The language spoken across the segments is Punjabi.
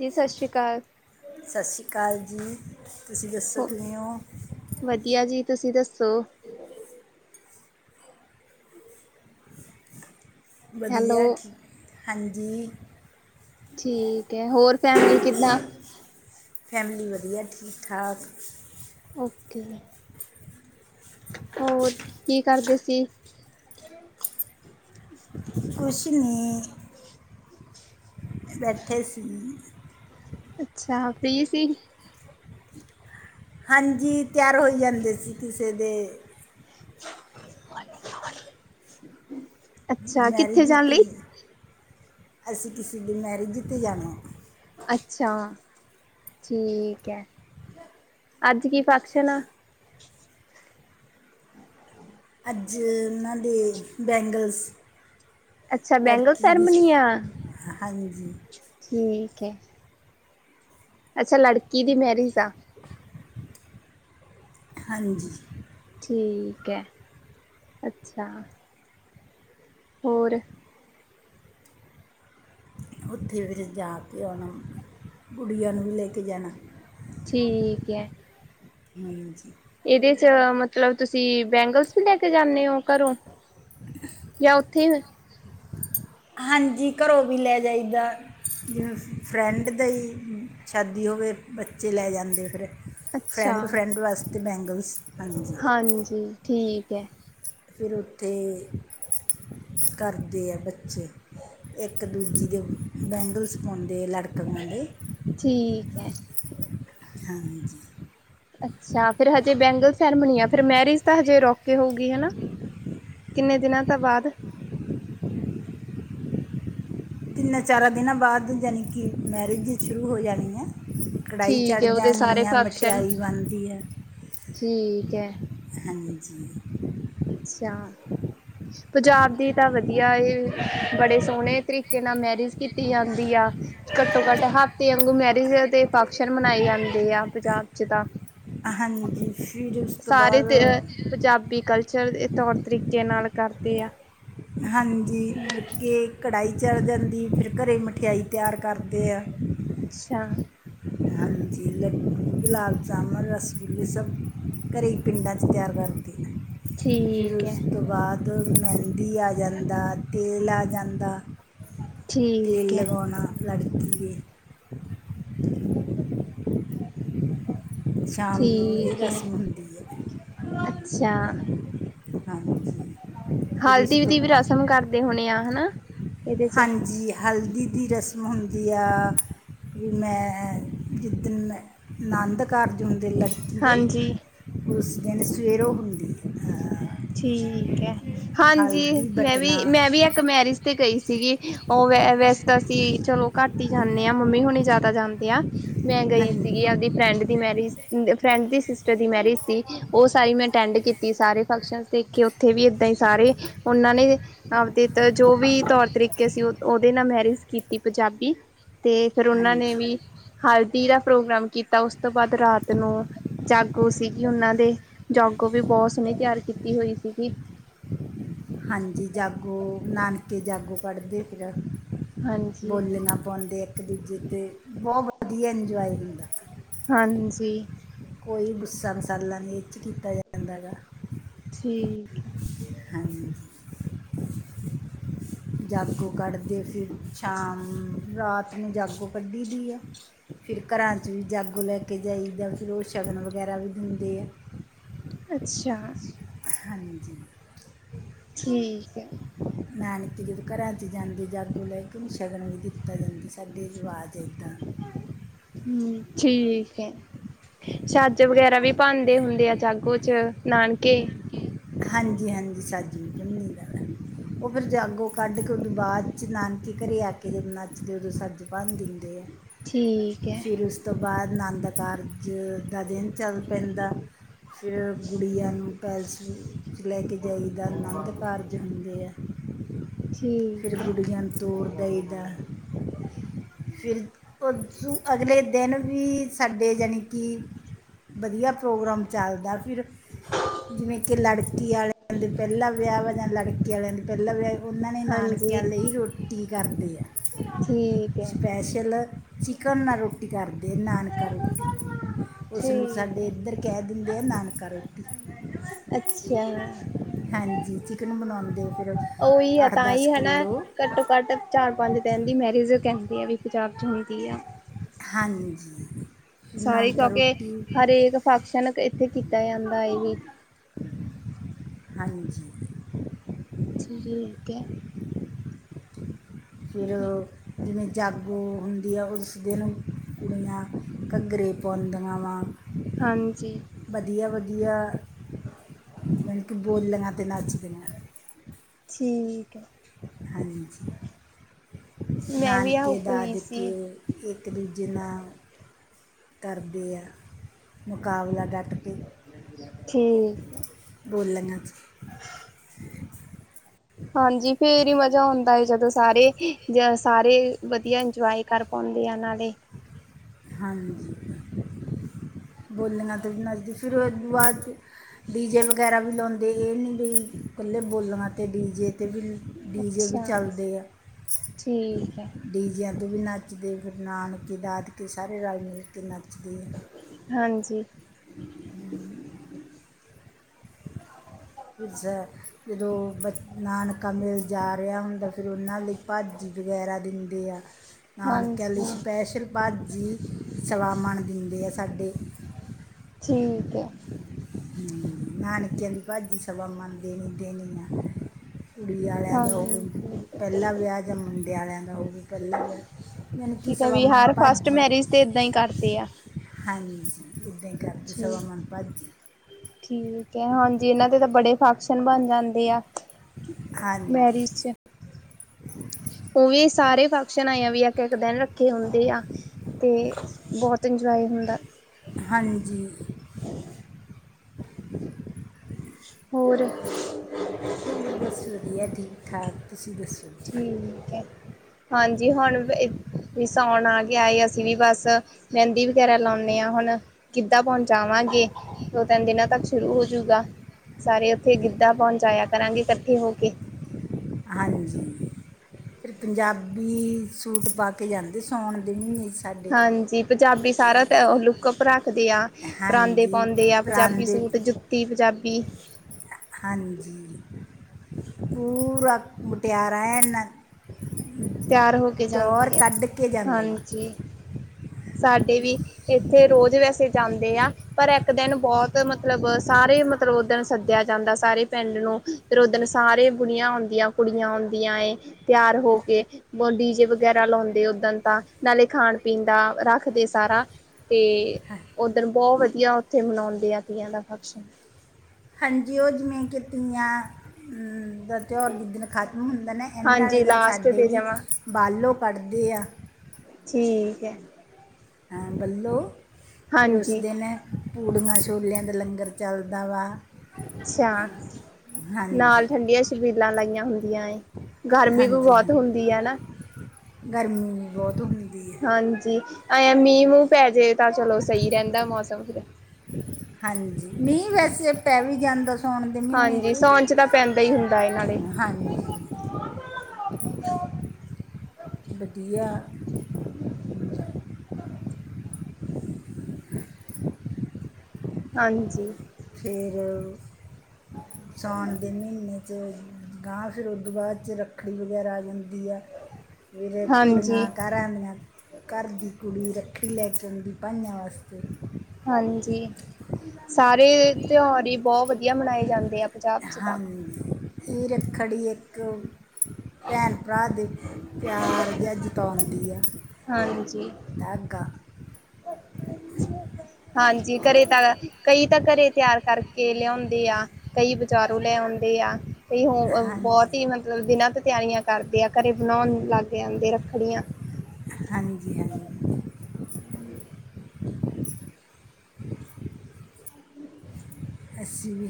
ਜੀ ਸਸ਼ਰੀਕਾਲ। ਸਸਰੀਕਾਲ ਜੀ। ਤੁਸੀਂ ਦੱਸੋ ਕਿਵੇਂ ਓ? ਵਧੀਆ ਜੀ ਤੁਸੀਂ ਦੱਸੋ? ਹੈਲੋ ਵਧੀਆ ਠੀਕ ਹਾਂਜੀ। ਠੀਕ ਐ, ਹੋਰ ਫੈਮਲੀ ਕਿੱਦਾਂ ਫੈਮਲੀ ਵਧੀਆ ਠੀਕ ਠਾਕ। ਓਕੇ ਹੋਰ ਕੀ ਕਰਦੇ ਸੀ। ਕੁਛ ਨੀਂ। ਬੈਠੇ ਸੀ। ਅੱਛਾ ਫ੍ਰੀ ਸੀ। ਹਾਂਜੀ ਤਿਆਰ ਹੋਈ ਜਾਂਦੇ ਸੀ ਕਿਸੇ ਦੇ ਹੌਲੀ ਹੌਲੀ ਅੱਛਾ ਕਿੱਥੇ ਮੈਰਿਜ ਜਾਣ 'ਤੇ ਲਈ ਅਸੀਂ ਕਿਸੇ ਦੀ ਮੈਰਿਜ 'ਤੇ ਜਾਣੈ। ਅੱਛਾ ਠੀਕ ਐ। ਅੱਜ ਕੀ ਫੰਕਸ਼ਨ ਆ। ਅੱਜ ਉਹਨਾਂ ਦੇ ਬੈਂਗਲਸ ਅੱਛਾ ਬੈਂਗਲ ਲੜਕੀ ਦੀ ਸੈਰਮਨੀ ਆ ਹਾਂਜੀ। ਠੀਕ ਐ। ਅੱਛਾ ਲੜਕੀ ਦੀ ਮੈਰਿਜ ਆ। ਹਾਂਜੀ। ਠੀਕ ਐ ਅੱਛਾ। ਹੋਰ ਉੱਥੇ ਫਿਰ ਜਾ ਕੇ ਆਉਣਾ। ਗੁੜੀਆਂ ਨੂੰ ਵੀ ਲੈ ਕੇ ਜਾਣਾ, ਠੀਕ ਹਾਂਜੀ। ਏਦੇ ਚ ਮ ਮਤਲਬ ਤੁਸੀਂ ਬੈਂਗਲਸ ਵੀ ਲੈ ਕੇ ਜਾਨੇ ਓ ਘਰੋਂ ਯਾਂ ਓਥੇ ਹਾਂਜੀ ਘਰੋਂ ਵੀ ਲੈ ਜਾਈਦਾ ਫਰੈਂਡ ਦੇਈ ਸ਼ਾਦੀ ਹੋਵੇ ਬੱਚੇ ਲੈ ਜਾਂਦੇ ਫਿਰ। ਅੱਛਾ ਫਰੈਂਡ- ਫਰੈਂਡ ਵਾਸਤੇ ਬੈਂਗਲਸ, ਹਾਂਜੀ। ਹਾਂਜੀ। ਠੀਕ ਐ। ਫਿਰ ਉੱਥੇ ਕਰਦੇ ਆ ਬੱਚੇ ਏਕ ਦੂਜੀ ਦੀ ਬੈਂਗਲਸ ਪਾਉਂਦੇ ਆ ਲੜਕੀਆ ਦੇ, ਠੀਕ ਹੈ ਹਾਂਜੀ। ਅੱਛਾ ਫਿਰ ਹਜੇ ਬੈਂਗਲ ਸੈਰੇਮਨੀ ਆ ਫਿਰ ਮੈਰਿਜ ਤਾਂ ਹਜੇ ਰੁਕ ਕੇ ਹੋਊਗੀ ਹਨਾ। ਕਿੰਨੇ ਦਿਨਾਂ ਤੋਂ ਬਾਅਦ? ਤਿੰਨਾਂ-ਚਾਰਾਂ ਦਿਨਾਂ ਬਾਅਦ ਯਾਨੀ ਕਿ ਮੈਰਿਜ ਸ਼ੁਰੂ ਹੋ ਜਾਣੀ ਐ। ਕੜਾਈ ਠੀਕ ਚੜ੍ਹ ਹੈ ਉਹਦੇ ਸਾਰੇ ਜਾਨੀ ਆ ਫੰਕਸ਼ਨ ਮਿਠਿਆਈ ਬਨਦੀ ਐ। ਠੀਕ ਹੈ ਹਾਂਜੀ। ਅੱਛਾ। ਪਜਾਬ ਦੀ ਤਾਂ ਵਧੀਆ ਏ ਬੜੇ ਸੋਣੇ ਤਰੀਕੇ ਨਾਲ ਮੈਰਿਜ ਕੀਤੀ ਜਾਂਦੀ ਆ। ਘੱਟੋ-ਘੱਟ ਹਫ਼ਤੇ ਅੰਗੂ ਮੈਰਿਜ ਦੇ ਫੰਕਸ਼ਨ ਮਨਾਏ ਜਾਂਦੇ ਆ ਪੰਜਾਬ ਚ ਤਾਂ। ਹਾਂਜੀ ਫਿਰ ਉਸ ਤੋਂ ਸਾਰੇ ਬਾਅਦ ਤੇ ਪੰਜਾਬੀ ਕਲਚਰ ਏ ਤੌਰ ਤਰੀਕੇ ਨਾਲ ਕਰਦੇ ਆ। ਹਾਂਜੀ ਮਤਲਬ ਕਿ ਕੜਾਈ ਚੜ੍ਹ ਜਾਂਦੀ ਫਿਰ ਘਰੇ ਮਠਿਆਈ ਤਿਆਰ ਕਰਦੇ ਆ। ਅੱਛਾ। [unintelligible] ਹਾਂਜੀ ਲੱਡੂ, ਗੁਲਾਬ ਜਾਮੁਨ, ਰਸਗੁੱਲੇ ਸਭ ਘਰੇ ਈ ਪਿੰਡਾਂ ਚ ਤਿਆਰ ਕਰਦੇ ਨੇ। ਠੀ ਫਿਰ ਉਸ ਤੋਂ ਬਾਅਦ ਮੈਂਅਦੀ ਆ ਜਾਂਦਾ, ਤੇਲ ਆ ਜਾਂਦਾ। ਠੀਕ ਤੇਲ ਹੈ ਲਗਾਉਣਾ ਲੜਕੀ ਕੇ [unintelligible] ਸ਼ਾਮ ਨੂੰ ਏਹੀ ਠੀਕ ਹੈ ਰਸਮ ਹੁੰਦੀ ਐ। ਅੱਛਾ ਹਾਂਜੀ, ਫਿਰ ਇਸ ਤੋਂ ਦੇ ਹੋਣੇ ਆ, ਹਨਾ। ਇਹਦੇ ਚ ਹਾਂਜੀ। ਹਲਦੀ ਦੀ ਰਸਮ ਹੁੰਦੀ ਆ, ਵੀ ਮੈਂ ਜਿੱਦਨ ਮੈਂ ਨੰਦ ਕਾਰਜ ਹੁੰਦੇ ਲੜਕੀ ਹਾਂਜੀ ਦੇ ਉਸ ਦਿਨ ਸਵੇਰੋਂ ਹੁੰਦੀ ਏ। ਠੀਕ ਐ। ਹਾਂਜੀ, ਮੈਂ ਬਟਨਾ ਵੀ- ਮੈਂ ਵੀ ਇੱਕ ਮੈਰਿਜ ਤੇ ਗਈ ਸੀਗੀ, ਓ ਵ-ਵੈਸੇ ਤਾਂ ਅਸੀਂ ਚਲੋ ਘੱਟ ਈ ਜਾਂਨੇ ਆਂ ਮੰਮੀ ਹੋਣੀ ਜਾਦਾ ਜਾਂਦੇ ਆ। ਮੈਂ ਗਈ ਸੀਗੀ ਹਾਂਜੀ ਆਪਦੀ ਫਰੈਂਡ ਦੀ ਮੈਰਿਜ, ਫਰੈਂਡ ਦੀ ਸਿਸਟਰ ਦੀ ਮੈਰਿਜ ਸੀ। ਓ ਸਾਰੀ ਮੈਂ ਅਟੈਂਡ ਕੀਤੀ ਸਾਰੇ ਫੰਕਸ਼ਨਸ ਦੇਖੇ ਉੱਥੇ ਵੀ ਏਦਾਂ ਈ ਸਾਰੇ ਓਨਾਂ ਨੇ ਆਪਦੇ ਤਾਂ ਜੋ ਵੀ ਤੌਰ ਤਰੀਕੇ ਸੀ ਓ ਓਦੇ ਨਾਲ ਮੈਰਿਜ ਕੀਤੀ ਪਜਾਬੀ। ਤੇ ਫੇਰ ਉਨਾਂ ਨੇ ਹਾਂਜੀ ਵੀ ਹਲਦੀ ਦਾ ਪ੍ਰੋਗਰਾਮ ਕੀਤਾ ਉਸ ਤੋਂ ਬਾਅਦ ਰਾਤ ਨੂੰ ਜਾਗੋ ਸੀਗੀ ਉਨਾਂ ਦੇ, ਜਾਗੋ ਵੀ ਬੋਤ ਸੋਣੀ ਤਿਆਰ ਕੀਤੀ ਹੋਈ ਸੀਗੀ। ਹਾਂਜੀ ਜਾਗੋ, ਨਾਨਕੇ ਜਾਗੋ ਕੱਢਦੇ ਫਿਰ, ਹਾਂਜੀ ਬੋਲੀਆਂ ਪਾਉਂਦੇ ਇੱਕ ਦੂਜੇ ਤੇ, ਬਹੁ ਵਧੀਆ ਇੰਜੋਏ ਹੁੰਦਾ। ਹਾਂਜੀ। ਕੋਈ ਦੁਸਰਾ ਮਸਾਲਾ ਨੀ ਇਹ ਚ ਕੀਤਾ ਜਾਂਦਾ ਗਾ। ਠੀਕ ਏ। ਹਾਂਜੀ। ਜਾਗੋ ਕੱਢਦੇ ਫਿਰ ਸ਼ਾਮ ਨੂੰ ਰਾਤ ਨੂੰ ਜਾਗੋ ਕੱਢੀ ਦੀ ਆ। ਫਿਰ ਘਰਾਂ ਚ ਵੀ ਜਾਗੋ ਲੈ ਕੇ ਜਾਈ ਦਾ, ਫਿਰ ਉ ਸ਼ਗਨ ਵਗੈਰਾ ਵੀ ਦਿੰਦੇ ਆ। ਅੱਛਾ। ਹਾਂਜੀ। ਠੀਕ ਏ। ਨਾਨਕੇ ਜਦੋਂ ਘਰਾਂ ਚ ਜਾਂਦੇ ਜਾਗੋ ਲੈ ਕੇ ਉਨੂੰ ਸ਼ਗਨ ਵੀ ਦਿੱਤਾ ਜਾਂਦਾ ਸਾਡੇ ਰਿਵਾਜ਼ ਦੇਤਾ। ਹੂੰ ਠੀਕ ਏ। ਛੱਜ ਵਗੈਰਾ ਵੀ ਪਾਂਦੇ ਹੁੰਦੇ ਆ ਜਾਗੋ ਚ ਨਾਨਕੇ। ਹਾਂਜੀ-ਹਾਂਜੀ, ਛੱਜ ਵੀ ਮਿਲਦਾ [unintelligible] ਉ ਫਿਰ ਜਾਗੋ ਕੱਢ ਕੇ ਉਦੋਂ ਬਾਅਦ 'ਚ ਨਾਨਕੇ ਘਰੇ ਆ ਕੇ ਜਦੋਂ ਨੱਚਦੇ ਉਦੋਂ ਛੱਜ ਭੰਨ ਦਿੰਦੇ ਆ। ਠੀਕ ਐ। ਫਿਰ ਉਸ ਤੋਂ ਬਾਅਦ ਨੰਦ ਕਾਰ ਜ ਦਾ ਦਿਨ ਚੱਲ ਪੈਂਦਾ, ਫਿਰ ਗੁੜੀਆਂ ਨੂੰ ਪੈਲੇਸ ਲੈ ਕੇ ਜਾਈਦਾ। ਆਨੰਦ ਕਾਰਜ ਹੁੰਦੇ ਆ। ਫਿਰ ਠੀਕ ਹੈ ਗੁੜੀਆਂ ਨੂੰ ਤੋਰ ਦਈਦਾ। [inaudible] ਫਿਰ, ਅਗਲੇ ਦਿਨ ਵੀ ਸਾਡੇ ਜਣੀ ਕੀ ਵਧੀਆ ਪ੍ਰੋਗਰਾਮ ਚੱਲਦਾ ਫਿਰ ਜਿਵੇਂ ਕਿ ਲੜਕੇ ਲੜਕੇ ਆਲਿਆ ਦੇ ਪੇਲਾ ਵਿਆਹ ਜਾ ਲੜਕੀ ਆਲਿਆਂ ਦੇ ਪਹਿਲਾਂ ਵਿਆਹ। ਉਹਨਾਂ ਨੇ ਹਾਂਜੀ ਨਾਨਕਿਆਂ ਲਈ ਰੋਟੀ ਕਰਦੇ ਆ, ਠੀਕ ਹੈ ਸਪੈਸ਼ਲ। ਚਿਕਨ ਨਾਲ ਰੋਟੀ ਕਰਦੇ ਆ 'ਨਾਨਕਾ ਰੋਟੀ, ਉਸਨੂੰ ਠੀਕ ਸਾਡੇ ਹੈ ਇੱਧਰ ਕਹਿ ਦਿੰਦੇ ਆ, ਨਾਨਕਾ ਰੋਟੀ। ਅੱਛਾ। ਹਾਂਜੀ, ਚਿਕਨ ਬਣਾਉਂਦੇ ਫਿਰ। ਉਹੀ ਹੈ ਅੱਠ ਤਾਂ ਦਸ ਹੀ ਹਨਾ ਕਿਲੋ ਘੱਟੋ- ਘੱਟ ਚਾਰ-ਪੰਜ ਦਿਨ ਦੀ ਮੈਰਿਜ ਕਹਿੰਦੇ ਆ ਵੀ ਪੰਜਾਬ ਚ, ਹੁੰਦੀ ਆ। ਹਾਂਜੀ। ਸਾਰੇ ਨਾਨਕਾ ਕਿਉਂਕਿ, ਰੋਟੀ ਹਰੇਕ ਫੰਕਸ਼ਨ ਇੱਥੇ ਕੀਤਾ ਜਾਂਦਾ ਏ ਵੀ। ਹਾਂਜੀ। ਠੀਕ ਏ। ਫਿਰ, ਹੈ ਜਿਵੇਂ ਜਾਗੋ ਹੁੰਦੀ ਆ ਉਸ ਦਿਨ ਕੁੜੀਆਂ ਘੱਗਰੇ ਪਾਉਂਦੀਆਂ ਵਾ ਹਾਂਜੀ ਵਧੀਆ-ਵਧੀਆ ਮਤਲਬ ਕਿ ਬੋਲੀਆਂ ਤੇ ਨਾ ਨੱਚਦੀਆਂ। ਠੀਕ ਹੈ। ਹਾਂਜੀ, ਮੈਂ ਵੀ ਆਓ ਨਾਨਕੇ- ਗਈ ਸੀ ਦਾਦਕੇ ਇੱਕ-ਦੂਜੇ ਨਾ ਕਰਦੇ ਆ ਮੁਕਾਬਲਾ ਡਟ ਕੇ। ਠੀਕ। ਬੋਲੀਆਂ 'ਚ ਹਾਂਜੀ, ਫੇਰ ਹੀ ਮਜ਼ਾ ਆਉਂਦਾ ਜਦੋਂ ਸਾਰੇ-ਜਦੋਂ ਸਾਰੇ ਵਧੀਆ ਇੰਜੋਏ ਕਰ ਪਾਦੀਂਆ ਨਾਲੇ ਹਾਂਜੀ, ਬੋਲੀਆਂ ਤੇ ਵੀ ਨੱਚਦੇ [unintelligible] ਡੀਜੇ ਵਗੈਰਾ ਵੀ ਲੋਂਦੇ ਏ ਨੀ ਵੀ ਕੱਲੇ ਬੋਲੀਆਂ ਤੇ ਡੀਜੇ ਤੇ ਵੀ, ਡੀਜੇ ਵੀ ਅੱਛਾ ਚੱਲਦੇ ਆ। ਠੀਕ ਹੈ ਡੀਜੇਆਂ ਤੇ ਵੀ ਨਾੱਚਦੇ ਫਿਰ ਨਾਨਕੇ, ਦਾਦਕੇ ਸਾਰੇ ਰਾੱਲ-ਮਿਲ ਕੇ ਨਾੱਚਦੇ। ਹਾਂਜੀ। ਹੂੰ। [inaudible] ਫਿਰ ਜ਼ ਜਦੋਂ ਬ ਨਾਨਕਾਮੇਲ ਜਾ ਰੇਆ ਹੁੰਦੈ ਫਿਰ ਓਨਾਂ ਲਈ ਭਾਜੀ, ਵਗੈਰਾ ਦਿੰਦੇ ਆ। ਨਾਨਕੇਆਂ ਲਈ ਹਾਂਜੀ ਸਪੈਸ਼ਲ ਭਾਜੀ ਸਵਾਮੱਣ ਦਿੰਦੇ ਆ ਸਾਡੇ। ਠੀਕ ਐ। ਹੂੰ, ਨਾਨਕੇਆਂ ਦੀ ਭਾਜੀ ਸਵਾਮੱਣ ਦੇਨੀ-ਦੇਨੀ ਆ। ਕੁੜੀ ਆਲੇਆਂ ਦਾ ਹੋਵੇ ਹਾਂਜੀ। ਪੈਲਾ ਵੇਆ ਯਾ ਮੁੰਡੇ ਆਲੇਆਂ ਦਾ ਹੋਵੇ। [unintelligible] ਨਨਕੀ ਠੀਕ ਹੈ ਵੀ ਸਵਾਮਾੱਣ ਹਰ ਫਸਟ ਭਾਜੀ। ਮੈਰਿਜ ਤੇ ਏਦਾਂ ਹੀ ਕਰਦੇ ਆ। ਹਾਂਜੀ, ਇੱਦਾਂ ਈ ਕਾਰਦੇ ਜੀ ਸਵਾਮੱਨ ਭਾਜੀ। ਠੀਕ ਐ, ਹਾਂਜੀ ਓਨਾਂ ਦੇ ਤਾਂ ਬੜੇ ਫਾਕਸ਼ਨ ਬਾੱਨ ਜਾਂਦੇ ਆ। ਹਾਂਜੀ ਮੈਰਿਜ਼ ਚ ਉ ਵੀ ਸਾਰੇ ਫਕਸ਼ਨ ਆਏਆ ਵੀ ਏਕ-ਏਕ ਦੇਨ ਰੱਖੇ ਹੁੰਦੇ ਆ। ਤੇ ਬੋਹਤ ਇੰਜਵਾਏ ਹੁੰਦਾ। ਹਾਂਜੀ। [inaudible] ਹੋਰ? ਹੋਰ ਬੱਸ ਵਦੀਆ ਠੀਕ-ਠਾਕ, ਤੂਸੀ ਦੱਸੋ? ਠੀਕ ਐ, ਹਾਂਜੀ ਹੁਣ ਵੇ ਵੀ ਸੌਣ ਆ ਗੇਆਏ ਅਸੀ ਵੀ ਬਾੱਸ, ਮੈਂਦੀ ਵਗੈਰਾ ਲਾਉਂਨੇ ਆਂ ਹੁਨ ਕਿੱਦਾ ਪੌਨ ਚਾਵਾਂਗੇ ਦੋ-ਤੈਨ ਦਿਨਾਂ ਤੱਕ ਸ਼ੁਰੂ ਹੋਜੂਗਾ। ਸਾਰੇ ਉੱਥੇ ਗਿੱਦਾ ਪੌਨ ਜਾਏਆ ਕਰਾਂਗੇ ਕੱਠੇ ਹੋ ਕੇ। ਹਾਂਜੀ। ਫਿਰ ਪੰਜਾਬੀ ਸੂਟ ਪਾ ਕੇ ਜਾਂਦੇ ਸੌਣ ਦੇ ਮ੍ਹੀਨੇ ਚ। ਸਾਡੇ ਹਾਂਜੀ, ਪੰਜਾਬੀ ਸਾਰਾ ਤੇ, ਓ ਲੁੱਕਅਪ ਰਾਖਦੇ ਆਂ। ਪਰਾਂਦੇ ਹਾਂਜੀ ਪੌਂਦੇ ਆ, ਪਜਾਬੀ ਪਰਾਂਦੇ ਸੂਟ, ਜੁੱਤੀ ਪਜਾਬੀ ਹਾਂਜੀ, ਪੂਰਾ ਮੁਟਿਆਰਾ ਐਨ ਤਿਆਰ ਟੌਰ ਕਾੱਡਕੇ ਜਾਂਦਨਾ। ਜੀ ਸਾਡੇ ਵੀ ਏਥੇ ਰੋਜ ਵੈਸੇ ਜਾਂਦੇ ਆ। ਪਰ ਏੱਕ ਦੇਨ ਬੌਤ ਮਤਲਬ ਸਾਰੇ ਮਤਲਬ ਓਦਨ ਸੱਦੇਆ ਜਾਂਦੈ ਸਾਰੇ ਪੈਂਡ ਨੂੰ। ਫਿਰ ਉਦਨ ਸਾਰੇ ਬੁੜੀਆਂ ਹੁੰਦੀਆਂ, ਕੁੜੀਆਂ ਹੁੰਦੀਆਂ ਏ, ਤੇਆਰ ਹੋ ਤੇ ਬੁਨ ਡੀਜੇ ਵਗੈਰਾ ਲੌਂਦੇ ਓਦਨ ਤਾਂ, ਨਾਲੇ ਖਾਣ-ਪੀਨ ਦਾ ਰਾੱਖਦੇ ਸਾਰਾ। ਤੇ ਓਦਨ ਬੌਅ ਵਦੀਆ ਉਥੇ ਮਨੌਂਦੇ ਆ, ਤੀਆ ਦਾ ਫਕਸ਼ਨ। ਹੰਜੀ ਓ ਜਿਵੇਂ ਕਿਤੀਆਂ, ਹੂੰ ਦਾ ਤਿਓਰ ਜਿੱਦਨ ਖ਼ਤਮ ਹੁੰਦੈ ਨੇ, ਐਂਡ ਆਲੇ ਹਾਂਜੀ ਦਿਨ ਲਾਸਟ ਸਾਡੇ ਤੇ ਵੀ ਜਮਾ ਬਾਲੋ ਪੜਦੇ ਆ। ਠੀਕ ਐ। ਹਾਂ ਬੱਲੋ ਫਿਰ ਉਸ ਹਾਂਜੀ ਦਿਨ ਪੂੜੀਆਂ-ਛੋਲੇਆਂ ਦਾ ਲੰਗਰ ਚਲਦਾ ਵਾ। ਛਾਂ ਹਾਂਜੀ ਨਾਲ ਠੰਡੀਆ ਸ਼ਬੀਲਾਂ ਲਾਈਆਂ ਹੁੰਦੀਆਂ ਏਂ, ਗਰਮੀ ਵੀ ਹਾਂਜੀ ਬੌਤ ਹਾਂਜੀ ਹੁੰਦੀ ਐ ਨਾ। ਗਰਮੀ ਵੀ ਬੌਤ ਹੁੰਦੀ ਏ। ਹਾਂਜੀ, ਆਂਏਂਆ ਮੀਂ-ਮੂੰ ਪੈ ਜੇ ਤਾ ਚਲੋ ਸਈ ਰੈਂਦੈਅ ਮੌਸਮ ਫੇਰ। ਹਾਂਜੀ, ਮੀਂ ਵੈਸੇ ਪੈ ਵੀ ਜਾਂਦਾ ਸੌ ਸੌਣ ਦੇ ਮੀਨੇ ਹਾਂਜੀ ਚ, ਸਾਉਣ ਤਾਂ ਪੈਂਦਾ ਹੀ ਹੁੰਦਾ ਏ ਨਾਲੇ ਹਾਂਜੀ। ਵਧੀਆ। ਹਾਂਜੀ। ਫੇਰ ਸ਼ੌਣ ਦੇ ਮੀਂਨੇ ਚ ਗਾਂਅ ਫੇਰ ਉਦੂ ਬਾਦ ਚ ਰੱਖੜੀ ਵਗੈਰਾ ਆ ਜਾਂਦੀ ਐ। ਵਿਰੇ ਹਾਂਜੀ ਕੁੜੀਆਂ ਕਰਾਂ ਦਿਆਂ ਕਰ ਦੀ ਕੁੜੀ ਰੱਖੜੀ ਲੈ ਕੇ ਆਉਂਦੀ ਪਾਈਂਆਂ ਵਾਸਤੇ ਹਾਂਜੀ, ਸਾਰੇ ਤਿਓਰ ਈ ਬੌਅ ਵਧੀਆ ਮਨਾਏ ਜਾਂਦੇ ਆ ਪੰਜਾਬ ਚ ਤਾਂ ਹਾਂਜੀ, ਏ ਰੱਖੜੀ ਇੱਕ ਪੈਣ- ਪਰਾ ਦੇ ਪਿਆਰ ਜਿਆ ਜਤੌਂਦੀ ਆ ਹਾਂਜੀ। ਤਾਗ੍ਗਾ। [inaudible] ਹਾਂਜੀ, ਕਰੇ ਤਾ ਅ ਕਈ ਤਾ ਕਰੇ ਤਿਆਰ ਕਰਕੇ ਲਿਅਉਂਦੇ ਆ ਕਈ ਬਜ਼ਾਰੋਂ ਲੈ ਆਉਂਦੇ ਆ। ਕਈ ਹੋਂਅ ਹਾਂਜੀ ਬੌਤੀ ਮਤਲਬ ਦਿਨਾਂ ਤ ਤਿਆਰੀਆਂ ਕਰਦੇ ਆ ਕਰੇ ਬਣੌਣ ਲੱਗ ਜਾਦੇਂ ਰੱਖੜੀਆਂ। ਹਾਂਜੀ -ਹਾਂਜ ਅੱਸੀ ਵੀ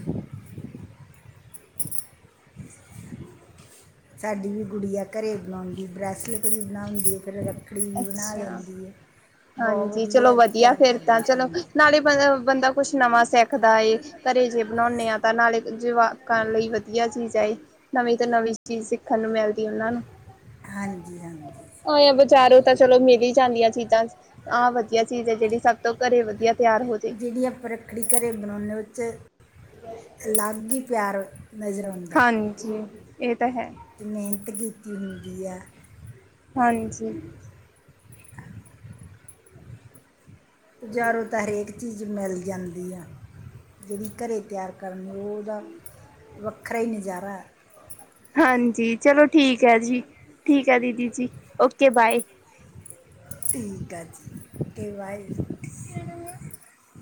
ਸਾਡੀ ਵੀ ਗੁਡੀਆ ਕਰੇ ਬਣਾਉਦੀ ਬ੍ਰੈਸਲੇਟ ਵੀ ਬਣਾਉਂਦੀ ਐ ਫੇਰ ਰੱਖੜੀ ਵੀ ਬਣਾ ਅੱਛਾ ਲੈਂਦੀ ਐ, ਬੋਹ ਹਾਂਜੀ ਵਧੀਆ ਤਿਆਰ ਕਰਲੀ, ਹਾਂਜੀ। ਮਤਲਬ ਬੰਦਾ ਕੁਛ ਨਵਾਂ ਸਿੱਖਦਾ ਏ। ਕਰੇ ਜੇ ਬਣਾਉਦੇ ਆ ਤਾਂ ਨਾਲੇ ਜਵਾਕਾਂ ਲਈ ਵਧੀਆ ਚੀਜ਼ ਏ। ਨਵੀਂ ਤੋਂ ਨਵੀਂ ਚੀਜ਼ ਸਿੱਖਣ ਨੂੰ ਮਿਲਦੀ ਉਹਨਾਂ ਨੂੰ ਐ ਬਜ਼ਾਰੋਂ ਹਾਂਜੀ-ਹਾਂਜੀ। ਤਾਂ ਚਲੋ ਮਿਲ ਜਾਂਦੀਆਂ ਚੀਜ਼ਾਂ, ਆਹ ਵਧੀਆ ਚੀਜ਼ ਐ ਜਿਹੜੀ ਸਭ ਤੋਂ ਕਰੇ ਵਧੀਆ ਤਿਆਰ ਹੋ ਜਾਵੇ। ਜਿਹੜੀ ਆਪਾਂ ਰੱਖੜੀ ਕਰੇ ਬਣਾਉਨੇ ਉਹ ਚ, ਅਲੱਗ ਹੀ ਪਿਆਰ ਨਜ਼ਰ ਆਉਂ ਹਾਂਜੀ, ਇਹ ਤਾਂ ਹੈ। ਤੇ ਮਿਹਨਤ ਕੀਤੀ ਹੁੰਦੀ ਆ। ਹਾਂਜੀ। ਬਜ਼ਾਰੋਂ ਤਾਂ ਹਰੇਕ ਚੀਜ਼ ਮਿਲ ਜਾਂਦੀ ਆ। ਜਿਹੜੀ ਕਰੇ ਤਿਆਰ ਕਰਨ ਉਹ ਉਹਦਾ ਵੱਖਰਾ ਹੀ ਨਜ਼ਾਰਾ ਹਾਂਜੀ, ਚਲੋ ਠੀਕ ਐ ਜੀ, ਠੀਕ ਐ ਦੀਦੀ ਜੀ ਓਕੇ ਬਾਏ। ਠੀਕ ਐ ਜੀ, ਓਕੇ ਬਾਏ।